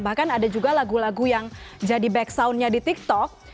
bahkan ada juga lagu lagu yang jadi back soundnya di tiktok